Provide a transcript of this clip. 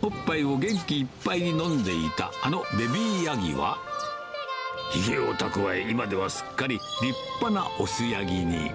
おっぱいを元気いっぱいに飲んでいた、あのベビーヤギは、ひげをたくわえ、今ではすっかり立派な雄ヤギに。